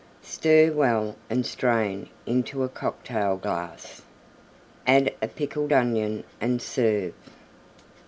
Stir well and strain into a Cocktail glass. Add a Pickeled Onion and serve.